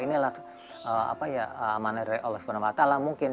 inilah amanah dari allah swt mungkin